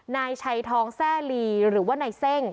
นายชัยทองแทร่ลีหรือว่านายเส้ง